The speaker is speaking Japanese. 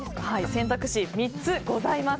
選択肢３つございます。